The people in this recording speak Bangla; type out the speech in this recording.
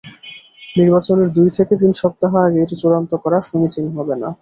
নির্বাচনের দুই থেকে তিন সপ্তাহ আগে এটি চূড়ান্ত করা সমীচীন হবে না।